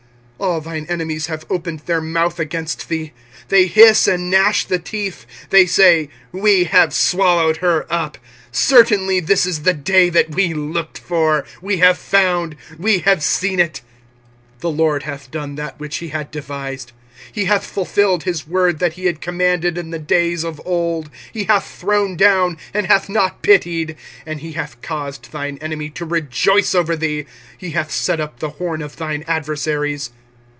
25:002:016 All thine enemies have opened their mouth against thee: they hiss and gnash the teeth: they say, We have swallowed her up: certainly this is the day that we looked for; we have found, we have seen it. 25:002:017 The LORD hath done that which he had devised; he hath fulfilled his word that he had commanded in the days of old: he hath thrown down, and hath not pitied: and he hath caused thine enemy to rejoice over thee, he hath set up the horn of thine adversaries.